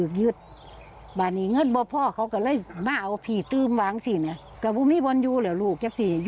จึงทำแค่เจอเถ่นเวลาอีกพันธุ์มีเงิน